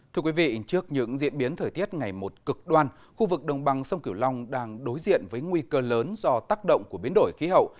trước những diễn biến thời tiết ngày một cực đoan khu vực đồng bằng sông cung long đang đối diện với nguy cơ lớn do tác động của biến đổi khí hậu